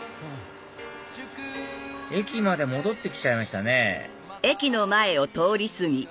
駅まで戻って来ちゃいましたね